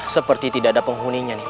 seperti tidak ada penghuninya nih